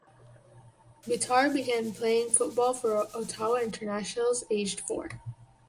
Bitar began playing football for Ottawa Internationals aged four.